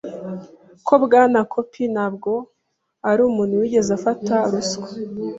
[Ko] Bwana Koop ntabwo ari umuntu wigeze afata ruswa.